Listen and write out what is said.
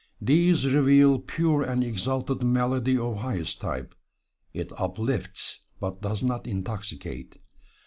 These reveal pure and exalted melody of highest type. It uplifts but does not intoxicate.